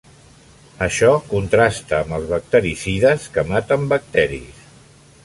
Això contrasta amb els bactericides, que maten bacteris.